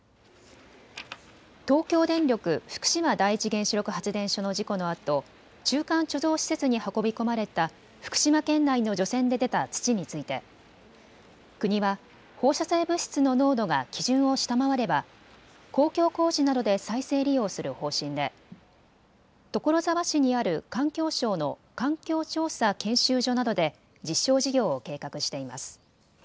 東京電力福島第一原子力発電所の事故のあと中間貯蔵施設に運び込まれた福島県内の除染で出た土について国は放射性物質の濃度が基準を下回れば公共工事などで再生利用する方針で所沢市にある環境省の環境調査研修所などで実証事業を計画しています。